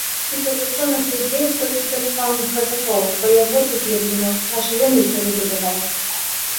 Колькі то вучоных людзей, колькі то слаўных казакоў, ваявод і гетманаў наша зямліца выгадавала?